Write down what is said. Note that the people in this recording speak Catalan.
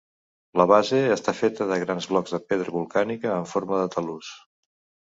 La base està feta de grans blocs de pedra volcànica en forma de talús.